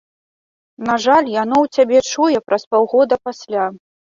На жаль, яно ў цябе чуе праз паўгода пасля.